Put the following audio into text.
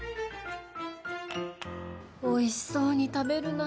おいしそうに食べるな。